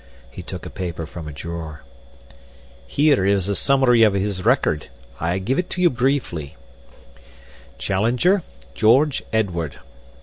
He took a paper from a drawer. "Here is a summary of his record. I give it you briefly: "'Challenger, George Edward.